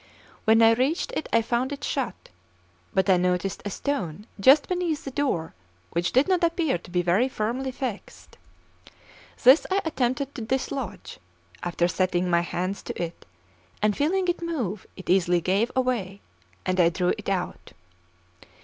When I reached it, I found it shut; but I noticed a stone just beneath the door which did not appear to be very firmly fixed. This I attempted to dislodge; after setting my hands to it, and feeling it move, it easily gave way, and I drew it out.